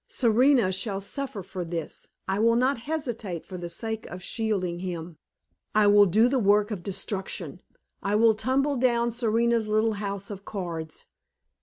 "Serena shall suffer for this! I will not hesitate for the sake of shielding him! I will do the work of destruction! I will tumble down Serena's little house of cards!